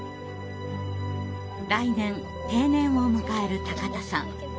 来年定年を迎える高田さん。